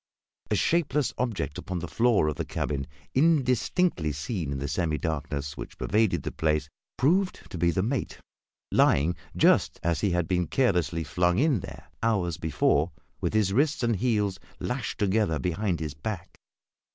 A shapeless object upon the floor of the cabin, indistinctly seen in the semi darkness which pervaded the place, proved to be the mate, lying just as he had been carelessly flung in there, hours before, with his wrists and heels lashed together behind his back.